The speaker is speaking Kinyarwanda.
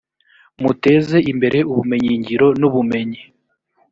muteze imbere ubumenyingiro n ‘ubumenyi.